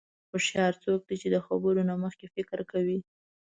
هوښیار څوک دی چې د خبرو نه مخکې فکر کوي.